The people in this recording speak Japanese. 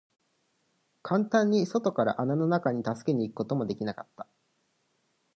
簡単に外から穴の中に助けに行くことも出来なかった。